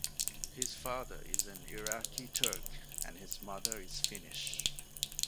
His father is an Iraqi Turk and his mother is Finnish.